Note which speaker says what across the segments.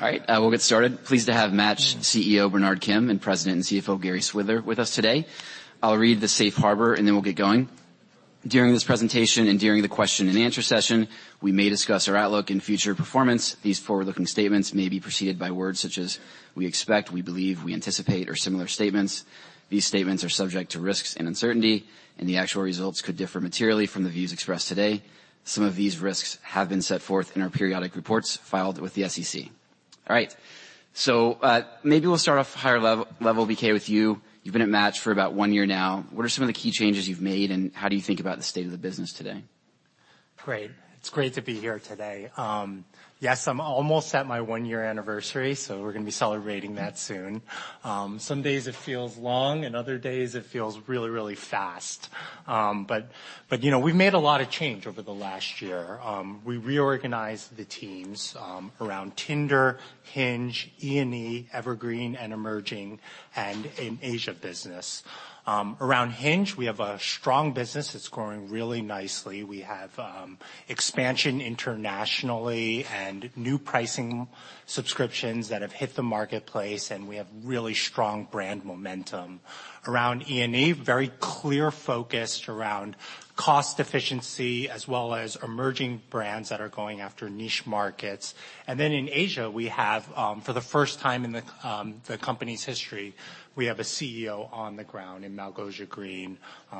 Speaker 1: We'll get started. Pleased to have Match CEO, Bernard Kim, and President and CFO, Gary Swidler, with us today. I'll read the safe harbor, and then we'll get going. During this presentation and during the question and answer session, we may discuss our outlook and future performance. These forward-looking statements may be preceded by words such as: we expect, we believe, we anticipate, or similar statements. These statements are subject to risks and uncertainty, and the actual results could differ materially from the views expressed today. Some of these risks have been set forth in our periodic reports filed with the SEC. Maybe we'll start off higher level, BK, with you. You've been at Match for about one year now. What are some of the key changes you've made, and how do you think about the state of the business today?
Speaker 2: Great. It's great to be here today. Yes, I'm almost at my one-year anniversary, so we're gonna be celebrating that soon. Some days it feels long, and other days it feels really, really fast. But, you know, we've made a lot of change over the last year. We reorganized the teams, around Tinder, Hinge, E&E, Evergreen and Emerging, and in Asia business. Around Hinge, we have a strong business that's growing really nicely. We have expansion internationally and new pricing subscriptions that have hit the marketplace, and we have really strong brand momentum. Around E&E, very clear focus around cost efficiency, as well as emerging brands that are going after niche markets. Then in Asia, we have, for the first time in the company's history, we have a CEO on the ground in Malgosia Green.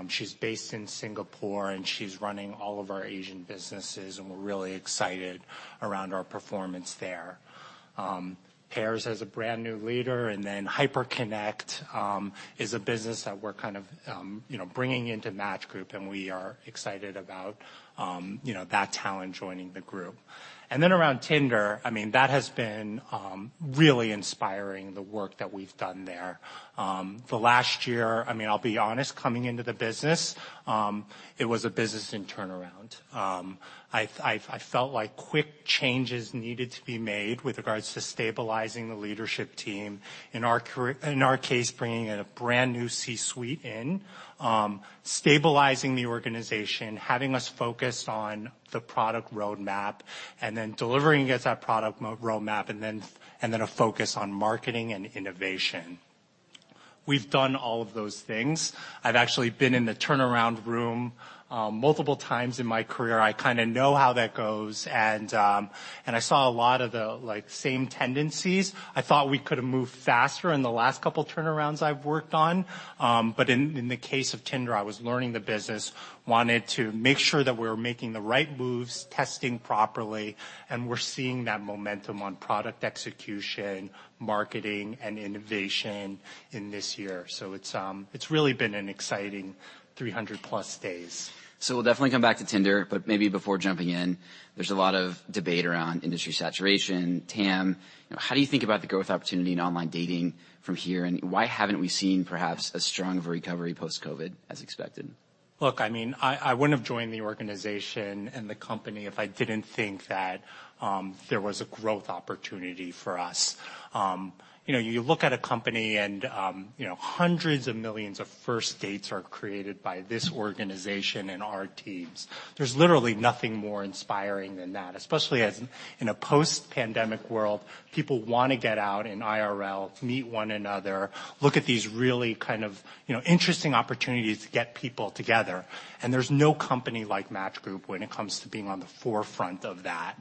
Speaker 2: She's based in Singapore, and she's running all of our Asian businesses, and we're really excited around our performance there. Pairs has a brand new leader, and then Hyperconnect, is a business that we're kind of, you know, bringing into Match Group, and we are excited about, you know, that talent joining the group. Around Tinder, I mean, that has been really inspiring, the work that we've done there. The last year, I mean, I'll be honest, coming into the business, it was a business in turnaround. I felt like quick changes needed to be made with regards to stabilizing the leadership team. In our case, bringing in a brand new C-suite in. Stabilizing the organization, having us focus on the product roadmap, and then delivering against that product roadmap, and then a focus on marketing and innovation. We've done all of those things. I've actually been in the turnaround room, multiple times in my career. I kinda know how that goes, and I saw a lot of the, like, same tendencies. I thought we could have moved faster in the last couple turnarounds I've worked on. But in the case of Tinder, I was learning the business, wanted to make sure that we were making the right moves, testing properly, and we're seeing that momentum on product execution, marketing, and innovation in this year. It's really been an exciting 300+ days.
Speaker 1: We'll definitely come back to Tinder, but maybe before jumping in, there's a lot of debate around industry saturation. BK, you know, how do you think about the growth opportunity in online dating from here, and why haven't we seen perhaps as strong of a recovery post-COVID as expected?
Speaker 2: Look, I mean, I wouldn't have joined the organization and the company if I didn't think that there was a growth opportunity for us. You know, you look at a company and, you know, hundreds of millions of first dates are created by this organization and our teams. There's literally nothing more inspiring than that, especially as in a post-pandemic world, people wanna get out in IRL, meet one another, look at these really kind of, you know, interesting opportunities to get people together, and there's no company like Match Group when it comes to being on the forefront of that.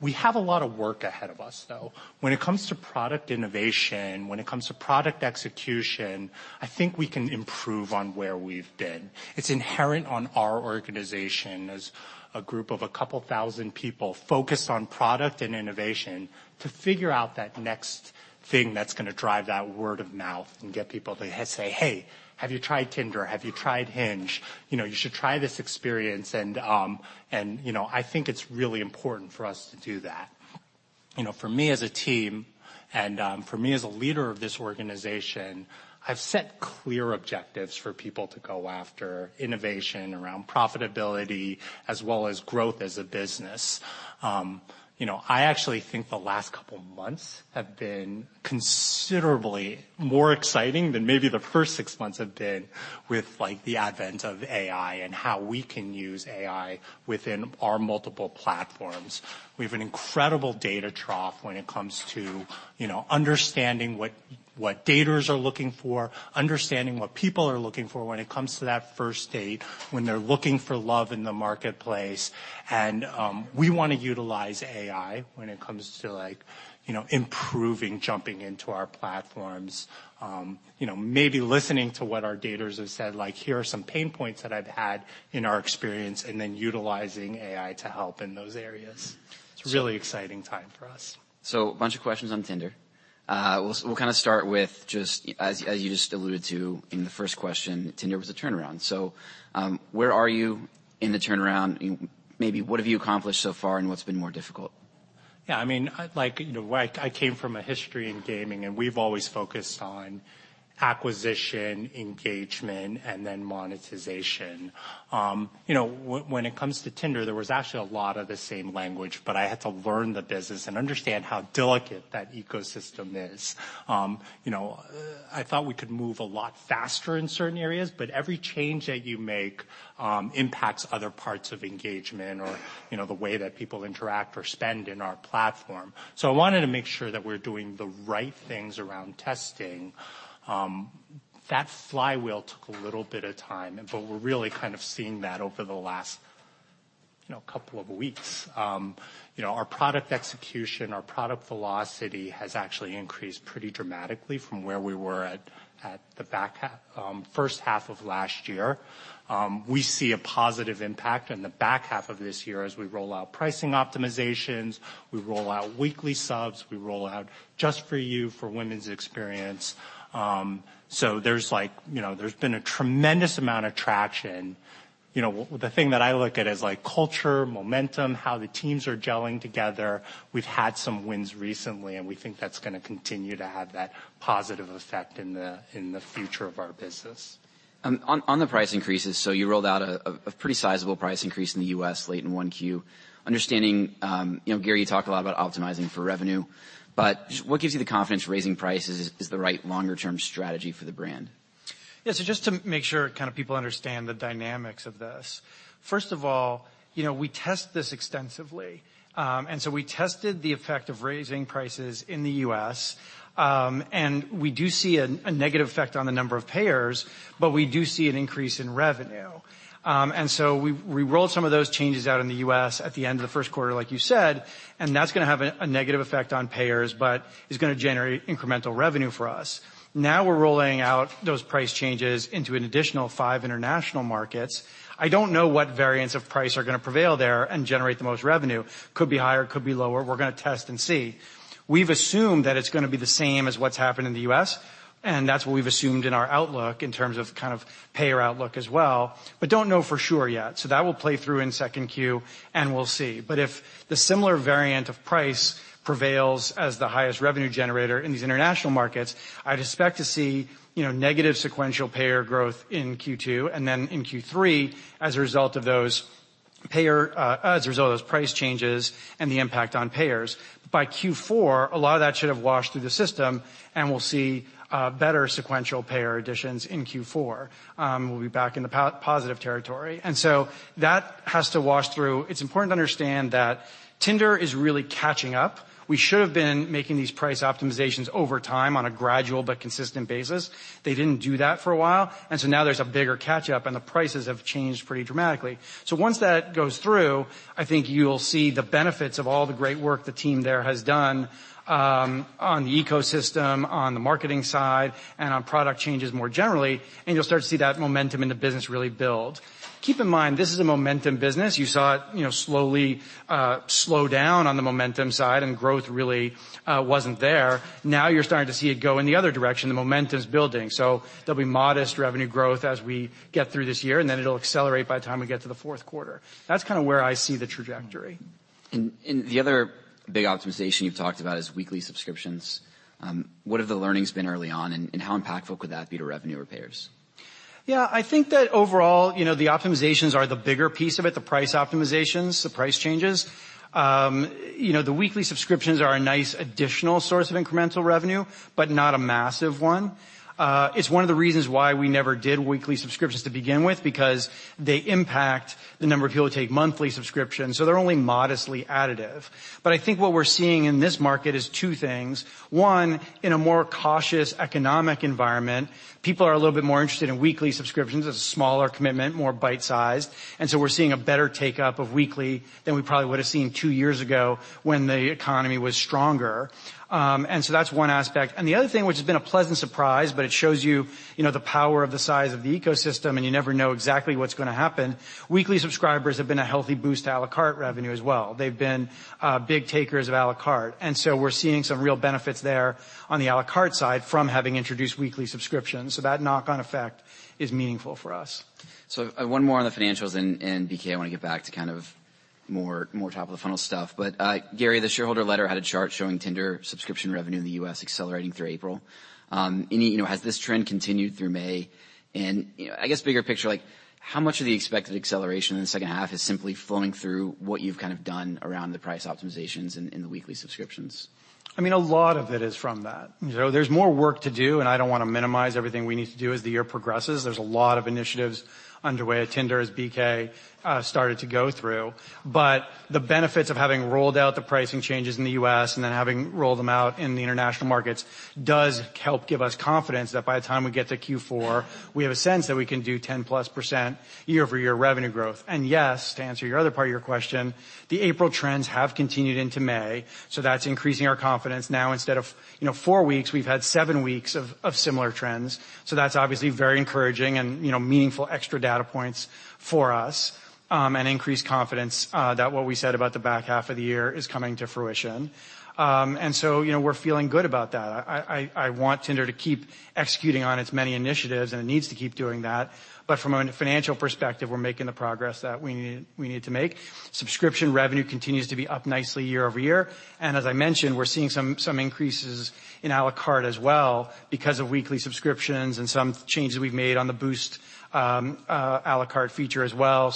Speaker 2: We have a lot of work ahead of us, though. When it comes to product innovation, when it comes to product execution, I think we can improve on where we've been. It's inherent on our organization as a group of 2,000 people focused on product and innovation to figure out that next thing that's gonna drive that word of mouth and get people to say, "Hey, have you tried Tinder? Have you tried Hinge?" You know, you should try this experience, and, you know, I think it's really important for us to do that. You know, for me as a team and for me as a leader of this organization, I've set clear objectives for people to go after innovation around profitability as well as growth as a business. You know, I actually think the last couple months have been considerably more exciting than maybe the first six months have been with, like, the advent of AI and how we can use AI within our multiple platforms. We have an incredible data trough when it comes to, you know, understanding what daters are looking for, understanding what people are looking for when it comes to that first date, when they're looking for love in the marketplace. We wanna utilize AI when it comes to, like, you know, improving jumping into our platforms. You know, maybe listening to what our daters have said, like, "Here are some pain points that I've had in our experience," and then utilizing AI to help in those areas. It's a really exciting time for us.
Speaker 1: A bunch of questions on Tinder. We'll kinda start with just as you just alluded to in the first question, Tinder was a turnaround. Where are you in the turnaround? Maybe what have you accomplished so far, and what's been more difficult?
Speaker 2: Yeah, I mean, like, you know, I came from a history in gaming, we've always focused on acquisition, engagement, and then monetization. You know, when it comes to Tinder, there was actually a lot of the same language, I had to learn the business and understand how delicate that ecosystem is. You know, I thought we could move a lot faster in certain areas, every change that you make, impacts other parts of engagement or, you know, the way that people interact or spend in our platform. I wanted to make sure that we're doing the right things around testing. That flywheel took a little bit of time, we're really kind of seeing that over the last You know, couple of weeks. You know, our product execution, our product velocity has actually increased pretty dramatically from where we were at the first half of last year. We see a positive impact in the back half of this year as we roll out pricing optimizations, we roll out weekly subs, we roll out Just for You for women's experience. There's like, you know, there's been a tremendous amount of traction. You know, the thing that I look at is like culture, momentum, how the teams are gelling together. We've had some wins recently, and we think that's gonna continue to have that positive effect in the, in the future of our business.
Speaker 1: On the price increases, you rolled out a pretty sizable price increase in the U.S. late in 1Q. Understanding, you know, Gary, you talk a lot about optimizing for revenue, just what gives you the confidence raising prices is the right longer-term strategy for the brand?
Speaker 3: Yeah, just to make sure kind of people understand the dynamics of this. First of all, you know, we test this extensively. We tested the effect of raising prices in the U.S., and we do see a negative effect on the number of payers, but we do see an increase in revenue. We rolled some of those changes out in the U.S. at the end of the first quarter, like you said, and that's gonna have a negative effect on payers, but it's gonna generate incremental revenue for us. Now we're rolling out those price changes into an additional five international markets. I don't know what variants of price are gonna prevail there and generate the most revenue. Could be higher, could be lower. We're gonna test and see. We've assumed that it's going to be the same as what's happened in the U.S., that's what we've assumed in our outlook in terms of kind of payer outlook as well, don't know for sure yet. That will play through in Q2, we'll see. If the similar variant of price prevails as the highest revenue generator in these international markets, I'd expect to see, you know, negative sequential payer growth in Q2, then in Q3 as a result of those payer, as a result of those price changes and the impact on payers. By Q4, a lot of that should have washed through the system, we'll see better sequential payer additions in Q4. We'll be back in the positive territory. That has to wash through. It's important to understand that Tinder is really catching up. We should have been making these price optimizations over time on a gradual but consistent basis. They didn't do that for a while. Now there's a bigger catch-up. The prices have changed pretty dramatically. Once that goes through, I think you'll see the benefits of all the great work the team there has done on the ecosystem, on the marketing side, and on product changes more generally. You'll start to see that momentum in the business really build. Keep in mind, this is a momentum business. You saw it, you know, slowly slow down on the momentum side. Growth really wasn't there. Now you're starting to see it go in the other direction. The momentum's building. There'll be modest revenue growth as we get through this year. It'll accelerate by the time we get to the fourth quarter. That's kind of where I see the trajectory.
Speaker 1: The other big optimization you've talked about is weekly subscriptions. What have the learnings been early on, and how impactful could that be to revenue or payers?
Speaker 3: Yeah, I think that overall, you know, the optimizations are the bigger piece of it, the price optimizations, the price changes. You know, the weekly subscriptions are a nice additional source of incremental revenue, but not a massive one. It's one of the reasons why we never did weekly subscriptions to begin with because they impact the number of people who take monthly subscriptions, so they're only modestly additive. I think what we're seeing in this market is two things. One, in a more cautious economic environment, people are a little bit more interested in weekly subscriptions as a smaller commitment, more bite-sized. We're seeing a better take-up of weekly than we probably would have seen two years ago when the economy was stronger. That's 1 aspect. The other thing, which has been a pleasant surprise, but it shows you know, the power of the size of the ecosystem, and you never know exactly what's gonna happen. Weekly subscribers have been a healthy boost to à la carte revenue as well. They've been big takers of à la carte. We're seeing some real benefits there on the à la carte side from having introduced weekly subscriptions. That knock-on effect is meaningful for us.
Speaker 1: One more on the financials, and BK, I wanna get back to kind of more top-of-the-funnel stuff. Gary, the shareholder letter had a chart showing Tinder subscription revenue in the U.S. accelerating through April. you know, has this trend continued through May? you know, I guess bigger picture, like how much of the expected acceleration in the second half is simply flowing through what you've kind of done around the price optimizations in the weekly subscriptions?
Speaker 3: I mean, a lot of it is from that. You know, there's more work to do, and I don't wanna minimize everything we need to do as the year progresses. There's a lot of initiatives underway at Tinder, as BK started to go through. The benefits of having rolled out the pricing changes in the U.S. and then having rolled them out in the international markets does help give us confidence that by the time we get to Q4, we have a sense that we can do 10+% year-over-year revenue growth. Yes, to answer your other part of your question, the April trends have continued into May, so that's increasing our confidence. Now instead of, you know, four weeks, we've had seven weeks of similar trends. That's obviously very encouraging and, you know, meaningful extra data points for us, and increased confidence that what we said about the back half of the year is coming to fruition. You know, we're feeling good about that. I want Tinder to keep executing on its many initiatives, and it needs to keep doing that. From a financial perspective, we're making the progress that we need to make. Subscription revenue continues to be up nicely year-over-year. As I mentioned, we're seeing some increases in à la carte as well because of weekly subscriptions and some changes we've made on the Boost à la carte feature as well.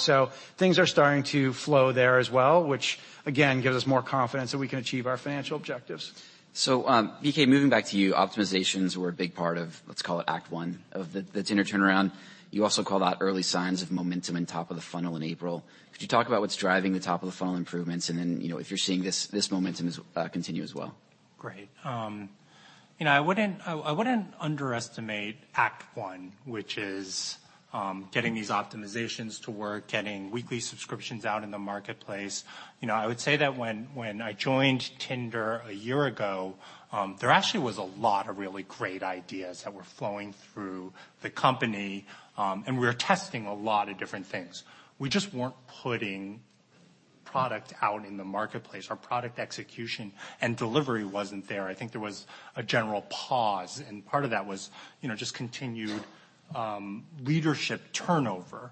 Speaker 3: Things are starting to flow there as well, which again, gives us more confidence that we can achieve our financial objectives.
Speaker 1: BK, moving back to you, optimizations were a big part of, let's call it act one of the Tinder turnaround. You also called out early signs of momentum in top of the funnel in April. Could you talk about what's driving the top-of-the-funnel improvements and then, you know, if you're seeing this momentum is continue as well?
Speaker 2: Great. you know, I wouldn't underestimate act one, which is, getting these optimizations to work, getting weekly subscriptions out in the marketplace. You know, I would say that when I joined Tinder a year ago, there actually was a lot of really great ideas that were flowing through the company, and we were testing a lot of different things. We just weren't putting product out in the marketplace. Our product execution and delivery wasn't there. I think there was a general pause, and part of that was, you know, just continued leadership turnover.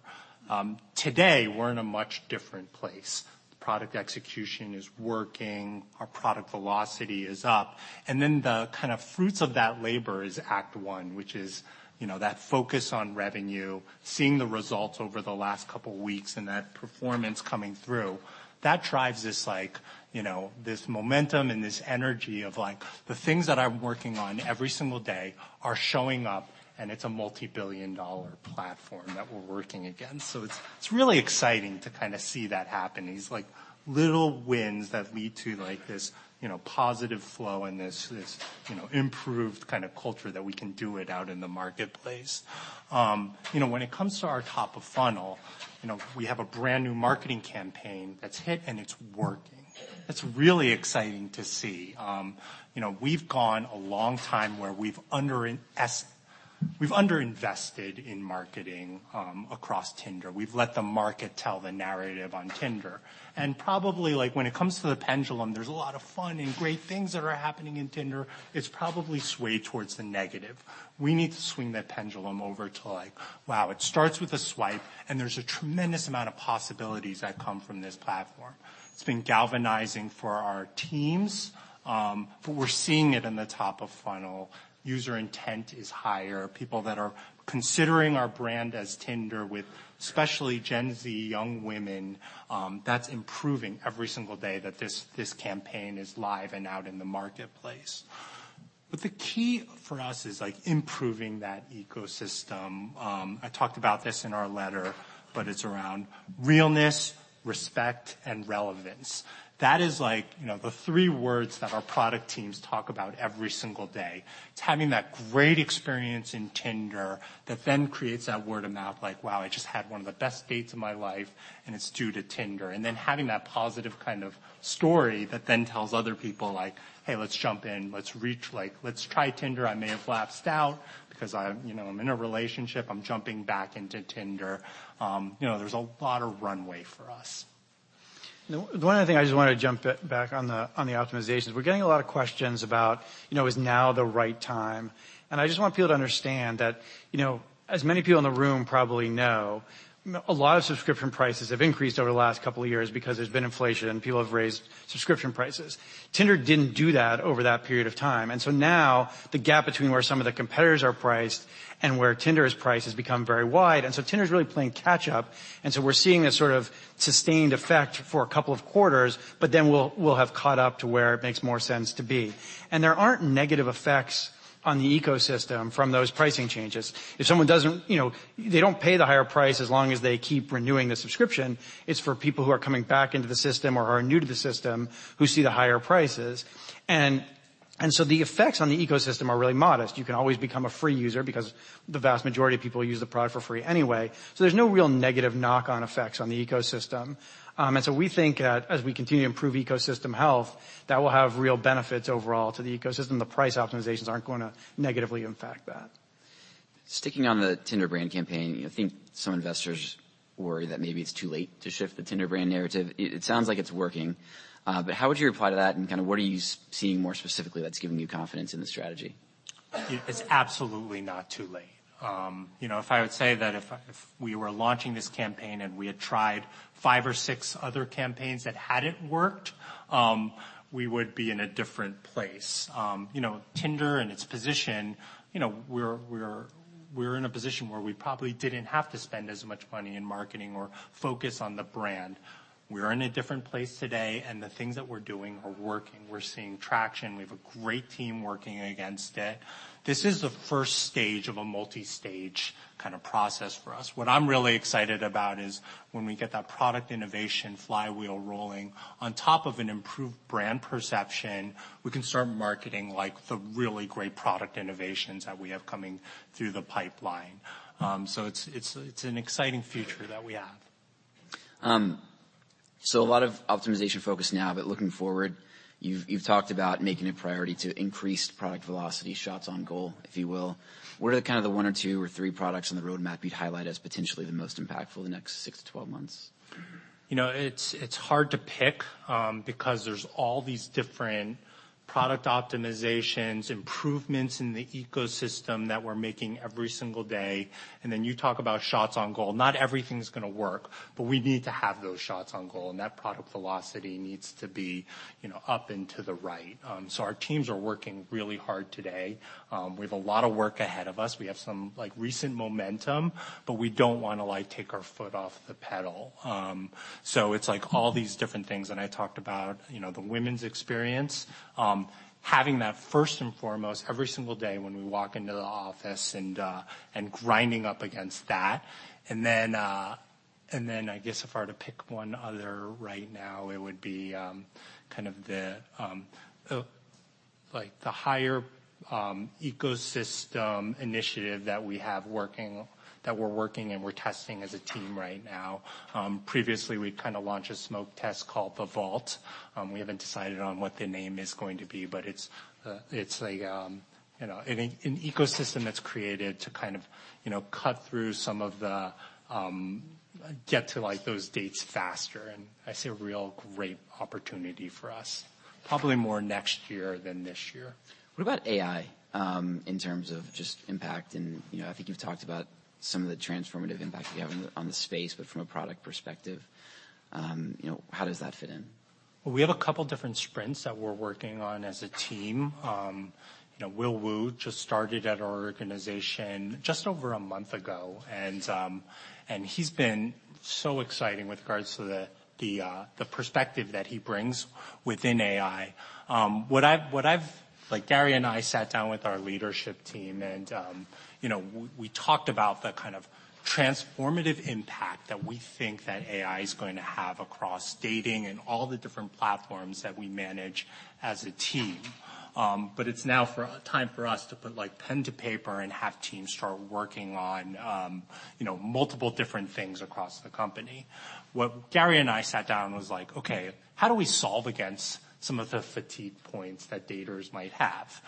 Speaker 2: Today, we're in a much different place. Product execution is working. Our product velocity is up. The kind of fruits of that labor is act one, which is, you know, that focus on revenue, seeing the results over the last couple weeks and that performance coming through. That drives this like, you know, this momentum and this energy of like the things that I'm working on every single day are showing up, and it's a multi-billion dollar platform that we're working against. It's really exciting to kind of see that happen. These like little wins that lead to like this, you know, positive flow and this, you know, improved kind of culture that we can do it out in the marketplace. You know, when it comes to our top of funnel, you know, we have a brand-new marketing campaign that's hit, and it's working. That's really exciting to see. You know, we've gone a long time where we've underinvested in marketing across Tinder. We've let the market tell the narrative on Tinder. Probably, like, when it comes to the pendulum, there's a lot of fun and great things that are happening in Tinder. It's probably swayed towards the negative. We need to swing that pendulum over to like, wow, it starts with a swipe, and there's a tremendous amount of possibilities that come from this platform. It's been galvanizing for our teams. We're seeing it in the top of funnel. User intent is higher. People that are considering our brand as Tinder with especially Gen Z young women, that's improving every single day that this campaign is live and out in the marketplace. The key for us is like improving that ecosystem. I talked about this in our letter, but it's around realness, respect, and relevance. That is the three words that our product teams talk about every single day. It's having that great experience in Tinder that then creates that word of mouth like, "Wow, I just had one of the best dates of my life, and it's due to Tinder." Having that positive kind of story that then tells other people like, "Hey, let's jump in. Let's try Tinder. I may have lapsed out because I'm in a relationship. I'm jumping back into Tinder." There's a lot of runway for us.
Speaker 3: You know, one other thing I just wanted to jump back on the, on the optimizations. We're getting a lot of questions about, you know, is now the right time? I just want people to understand that, you know, as many people in the room probably know, a lot of subscription prices have increased over the last couple of years because there's been inflation. People have raised subscription prices. Tinder didn't do that over that period of time. Now the gap between where some of the competitors are priced and where Tinder's price has become very wide. Tinder's really playing catch up. We're seeing a sort of sustained effect for a couple of quarters, we'll have caught up to where it makes more sense to be. There aren't negative effects on the ecosystem from those pricing changes. You know, they don't pay the higher price as long as they keep renewing the subscription. It's for people who are coming back into the system or are new to the system who see the higher prices. The effects on the ecosystem are really modest. You can always become a free user because the vast majority of people use the product for free anyway. There's no real negative knock-on effects on the ecosystem. We think that as we continue to improve ecosystem health, that will have real benefits overall to the ecosystem. The price optimizations aren't gonna negatively impact that.
Speaker 1: Sticking on the Tinder brand campaign, I think some investors worry that maybe it's too late to shift the Tinder brand narrative. It sounds like it's working. How would you reply to that and kind of what are you seeing more specifically that's giving you confidence in the strategy?
Speaker 2: It's absolutely not too late. you know, if I would say that if we were launching this campaign and we had tried five or six other campaigns that hadn't worked, we would be in a different place. you know, Tinder and its position, you know, we're in a position where we probably didn't have to spend as much money in marketing or focus on the brand. We're in a different place today. The things that we're doing are working. We're seeing traction. We have a great team working against it. This is the first stage of a multi-stage kind of process for us. What I'm really excited about is when we get that product innovation flywheel rolling on top of an improved brand perception, we can start marketing like the really great product innovations that we have coming through the pipeline. It's an exciting future that we have.
Speaker 1: A lot of optimization focus now, but looking forward, you've talked about making it priority to increase product velocity, shots on goal, if you will. What are the kind of the one or two or three products on the roadmap you'd highlight as potentially the most impactful in the next six to 12 months?
Speaker 2: You know, it's hard to pick, because there's all these different product optimizations, improvements in the ecosystem that we're making every single day. You talk about shots on goal. Not everything's gonna work, but we need to have those shots on goal, and that product velocity needs to be, you know, up and to the right. Our teams are working really hard today. We have a lot of work ahead of us. We have some, like, recent momentum, but we don't wanna, like, take our foot off the pedal. It's like all these different things, and I talked about, you know, the women's experience. Having that first and foremost every single day when we walk into the office and grinding up against that. I guess if I were to pick one other right now, it would be, kind of the Like the higher ecosystem initiative that we have working, that we're working and we're testing as a team right now. Previously we kinda launched a smoke test called Tinder VŌLT. We haven't decided on what the name is going to be, but it's a, you know, an ecosystem that's created to kind of, you know, cut through some of the, get to like those dates faster, and I see a real great opportunity for us. Probably more next year than this year.
Speaker 1: What about AI, in terms of just impact and, you know, I think you've talked about some of the transformative impact you have on the, on the space, but from a product perspective, you know, how does that fit in?
Speaker 2: We have a couple different sprints that we're working on as a team. You know, Will Wu just started at our organization just over a month ago, and he's been so exciting with regards to the perspective that he brings within AI. Like Gary and I sat down with our leadership team, and, you know, we talked about the kind of transformative impact that we think that AI is going to have across dating and all the different platforms that we manage as a team. It's now for a time for us to put like pen to paper and have teams start working on, you know, multiple different things across the company. What Gary and I sat down was like, "Okay, how do we solve against some of the fatigue points that daters might have?"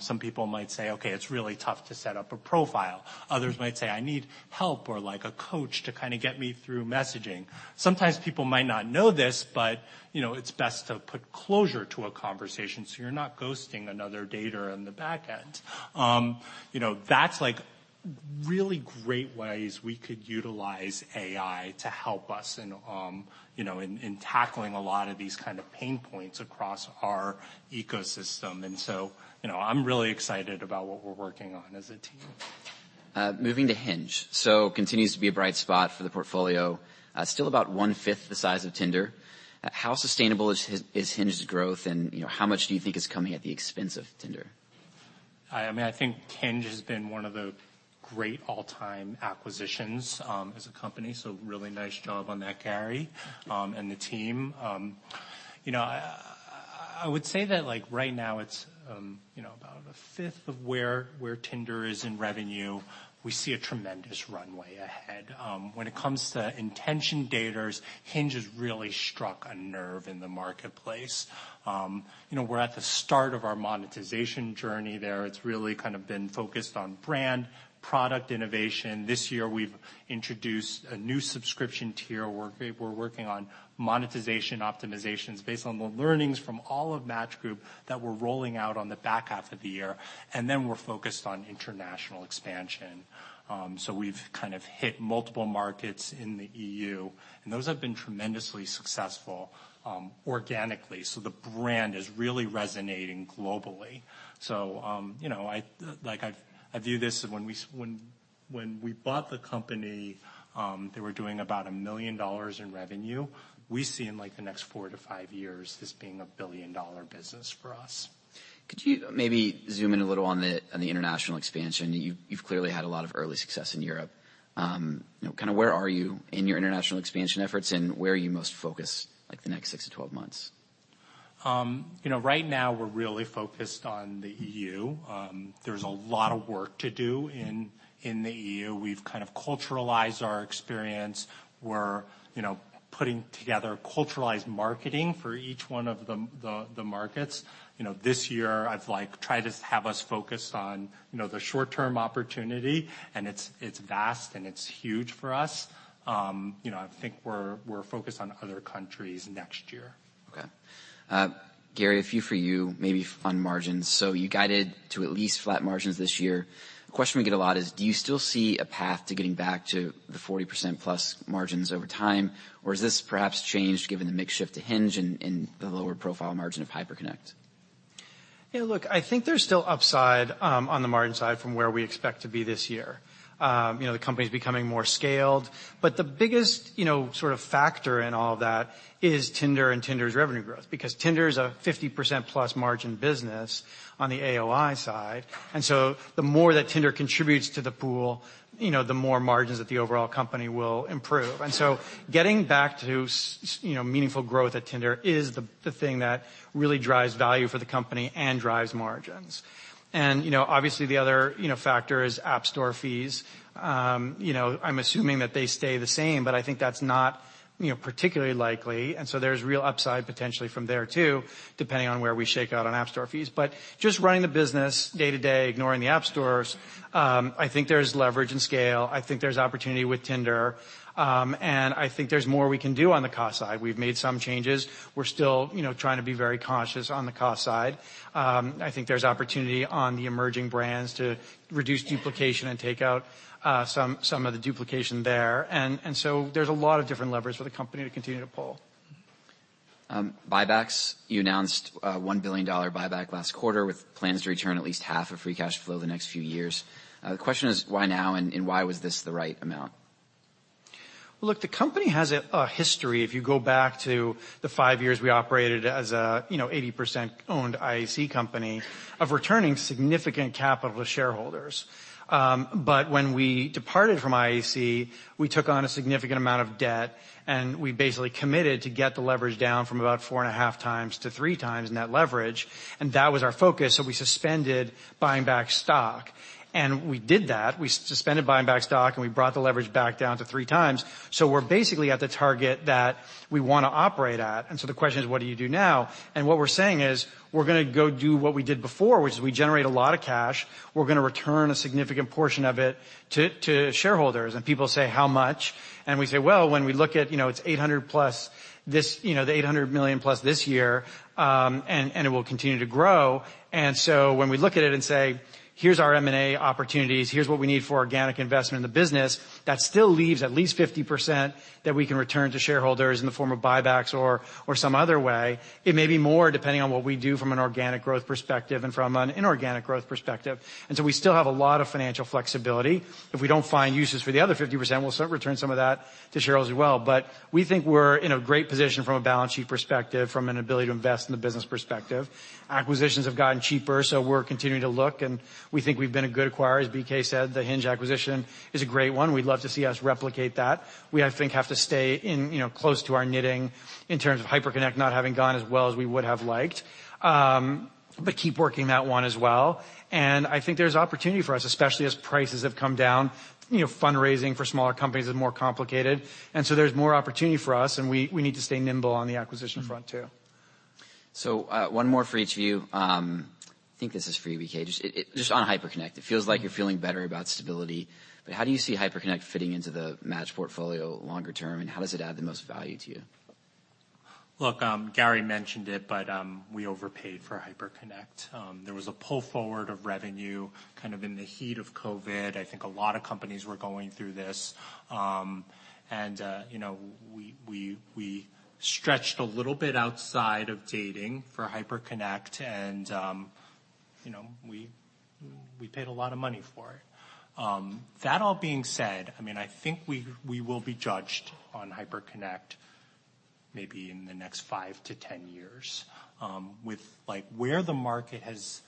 Speaker 2: Some people might say, "Okay, it's really tough to set up a profile." Others might say, "I need help or, like, a coach to kind of get me through messaging." Sometimes people might not know this, but, you know, it's best to put closure to a conversation, so you're not ghosting another dater on the back end. You know, that's like, really great ways we could utilize AI to help us in, you know, in tackling a lot of these kind of pain points across our ecosystem. You know, I'm really excited about what we're working on as a team.
Speaker 1: Moving to Hinge. Continues to be a bright spot for the portfolio. Still about one-fifth the size of Tinder. How sustainable is Hinge's growth and, you know, how much do you think is coming at the expense of Tinder?
Speaker 2: I mean, I think Hinge has been one of the great all-time acquisitions as a company, really nice job on that, Gary, and the team. You know, I would say that, like, right now it's, you know, about a fifth of where Tinder is in revenue. We see a tremendous runway ahead. When it comes to intention daters, Hinge has really struck a nerve in the marketplace. You know, we're at the start of our monetization journey there. It's really kind of been focused on brand, product innovation. This year we've introduced a new subscription tier. We're working on monetization optimizations based on the learnings from all of Match Group that we're rolling out on the back half of the year, we're focused on international expansion. We've kind of hit multiple markets in the EU, and those have been tremendously successful organically. The brand is really resonating globally. You know, I like, I view this when we bought the company, they were doing about $1 million in revenue. We see in, like, the next four to five years as being a billion-dollar business for us.
Speaker 1: Could you maybe zoom in a little on the international expansion? You've clearly had a lot of early success in Europe. You know, kinda where are you in your international expansion efforts, and where are you most focused, like, the next six-12 months?
Speaker 2: You know, right now we're really focused on the EU. There's a lot of work to do in the EU. We've kind of culturalized our experience. We're, you know, putting together culturalized marketing for each one of the markets. You know, this year I've, like, tried to have us focus on, you know, the short-term opportunity, and it's vast and it's huge for us. You know, I think we're focused on other countries next year.
Speaker 1: Okay. Gary, a few for you, maybe on margins. You guided to at least flat margins this year. The question we get a lot is: Do you still see a path to getting back to the 40% plus margins over time, or is this perhaps changed given the mix shift to Hinge and the lower profile margin of Hyperconnect?
Speaker 3: I think there's still upside on the margin side from where we expect to be this year. You know, the company's becoming more scaled. The biggest, you know, sort of factor in all of that is Tinder and Tinder's revenue growth, because Tinder is a 50%+ margin business on the AOI side. The more that Tinder contributes to the pool, you know, the more margins that the overall company will improve. Getting back to you know, meaningful growth at Tinder is the thing that really drives value for the company and drives margins. You know, obviously the other, you know, factor is App Store fees. You know, I'm assuming that they stay the same, but I think that's not, you know, particularly likely, and so there's real upside potentially from there too, depending on where we shake out on App Store fees. Just running the business day-to-day, ignoring the App Stores, I think there's leverage and scale. I think there's opportunity with Tinder, and I think there's more we can do on the cost side. We've made some changes. We're still, you know, trying to be very conscious on the cost side. I think there's opportunity on the emerging brands to reduce duplication and take out some of the duplication there. There's a lot of different levers for the company to continue to pull.
Speaker 1: Buybacks. You announced a $1 billion buyback last quarter with plans to return at least half of free cash flow the next few years. The question is why now and why was this the right amount?
Speaker 3: Well, look, the company has a history. If you go back to the five years we operated as a, you know, 80% owned IAC company of returning significant capital to shareholders. But when we departed from IAC, we took on a significant amount of debt, and we basically committed to get the leverage down from about 4.5 times to three times net leverage. That was our focus, so we suspended buying back stock. We did that. We suspended buying back stock, and we brought the leverage back down to three times. We're basically at the target that we wanna operate at, and so the question is, what do you do now? What we're saying is, we're gonna go do what we did before, which is we generate a lot of cash. We're gonna return a significant portion of it to shareholders. People say, "How much?" We say, "Well, when we look at, you know, it's 800 plus this, you know, the $800 million plus this year, and it will continue to grow." When we look at it and say, "Here's our M&A opportunities. Here's what we need for organic investment in the business," that still leaves at least 50% that we can return to shareholders in the form of buybacks or some other way. It may be more depending on what we do from an organic growth perspective and from an inorganic growth perspective. We still have a lot of financial flexibility. If we don't find uses for the other 50%, we'll still return some of that to shareholders as well. We think we're in a great position from a balance sheet perspective, from an ability to invest in the business perspective. Acquisitions have gotten cheaper, so we're continuing to look, and we think we've been a good acquirer. As BK said, the Hinge acquisition is a great one. We'd love to see us replicate that. We, I think, have to stay in, you know, close to our knitting in terms of Hyperconnect not having gone as well as we would have liked. Keep working that one as well. I think there's opportunity for us, especially as prices have come down. You know, fundraising for smaller companies is more complicated. So there's more opportunity for us, and we need to stay nimble on the acquisition front too.
Speaker 1: One more for each of you. I think this is for you, BK. Just on Hyperconnect. It feels like you're feeling better about stability, but how do you see Hyperconnect fitting into the Match portfolio longer term, and how does it add the most value to you?
Speaker 2: Gary mentioned it, we overpaid for Hyperconnect. There was a pull forward of revenue kind of in the heat of COVID. I think a lot of companies were going through this. You know, we stretched a little bit outside of dating for Hyperconnect and, you know, we paid a lot of money for it. I mean, I think we will be judged on Hyperconnect maybe in the next 5 to 10 years, with, like, where the market has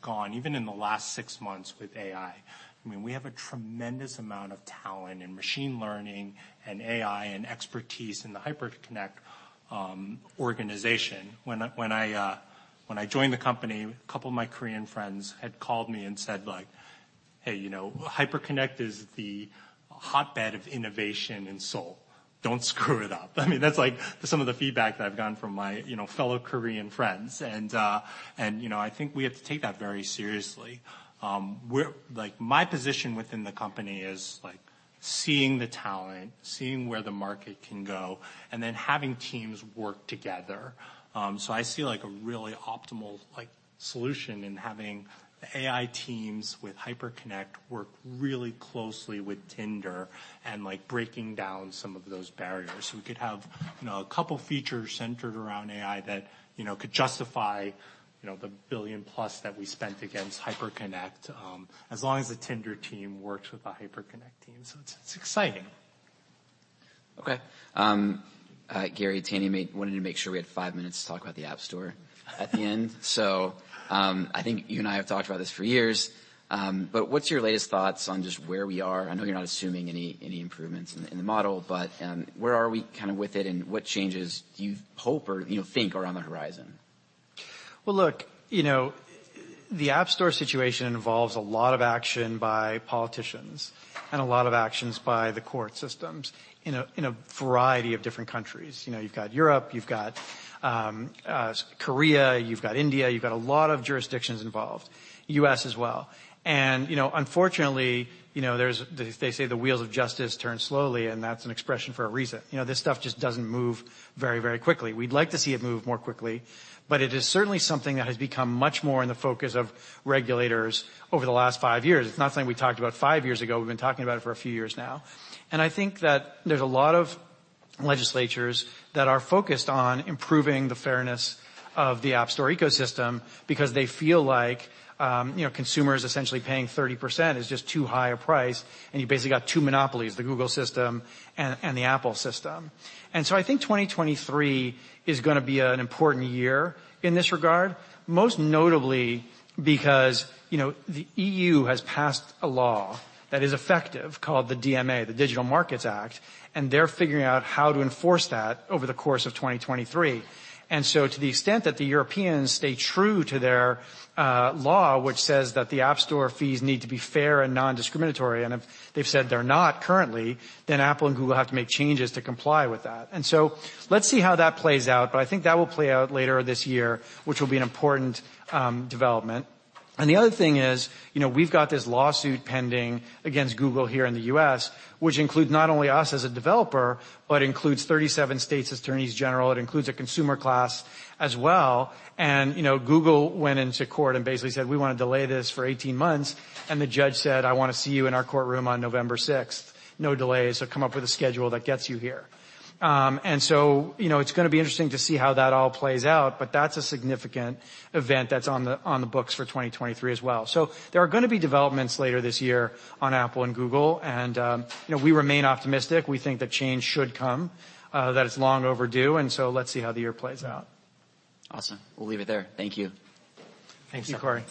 Speaker 2: gone, even in the last 6 months with AI. I mean, we have a tremendous amount of talent in machine learning and AI and expertise in the Hyperconnect organization. When I joined the company, a couple of my Korean friends had called me and said, like, "Hey, you know, Hyperconnect is the hotbed of innovation in Seoul. Don't screw it up." I mean, that's, like, some of the feedback that I've gotten from my, you know, fellow Korean friends. You know, I think we have to take that very seriously. Like, my position within the company is, like, seeing the talent, seeing where the market can go, and then having teams work together. I see, like, a really optimal, like, solution in having AI teams with Hyperconnect work really closely with Tinder and, like, breaking down some of those barriers. We could have, you know, a couple features centered around AI that, you know, could justify, you know, the billion-plus that we spent against Hyperconnect, as long as the Tinder team works with the Hyperconnect team. It's exciting.
Speaker 1: Gary, Tammy wanted to make sure we had 5 minutes to talk about the App Store at the end. I think you and I have talked about this for years. What's your latest thoughts on just where we are? I know you're not assuming any improvements in the model, but where are we kinda with it, and what changes do you hope or, you know, think are on the horizon?
Speaker 3: Well, look, you know, the App Store situation involves a lot of action by politicians and a lot of actions by the court systems in a variety of different countries. You know, you've got Europe, you've got Korea, you've got India, you've got a lot of jurisdictions involved. U.S. as well. You know, unfortunately, you know, They say the wheels of justice turn slowly, and that's an expression for a reason. You know, this stuff just doesn't move very quickly. We'd like to see it move more quickly, it is certainly something that has become much more in the focus of regulators over the last 5 years. It's not something we talked about five years ago. We've been talking about it for a few years now. I think that there's a lot of legislatures that are focused on improving the fairness of the App Store ecosystem because they feel like, you know, consumers essentially paying 30% is just too high a price, and you basically got two monopolies, the Google system and the Apple system. I think 2023 is gonna be an important year in this regard. Most notably because, you know, the EU has passed a law that is effective called the DMA, the Digital Markets Act, and they're figuring out how to enforce that over the course of 2023. To the extent that the Europeans stay true to their law, which says that the App Store fees need to be fair and non-discriminatory, and if they've said they're not currently, then Apple and Google have to make changes to comply with that. Let's see how that plays out, but I think that will play out later this year, which will be an important development. The other thing is, you know, we've got this lawsuit pending against Google here in the U.S., which includes not only us as a developer, but includes 37 states' attorneys general. It includes a consumer class as well. You know, Google went into court and basically said, "We wanna delay this for 18 months." The judge said, "I wanna see you in our courtroom on November 6th. No delays, so come up with a schedule that gets you here." You know, it's gonna be interesting to see how that all plays out, but that's a significant event that's on the, on the books for 2023 as well. There are gonna be developments later this year on Apple and Google and, you know, we remain optimistic. We think that change should come, that it's long overdue. Let's see how the year plays out.
Speaker 1: Awesome. We'll leave it there. Thank you.
Speaker 3: Thank you, Corey.